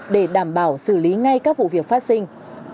để đảm bảo xử lý ngay các vụ việc phát sinh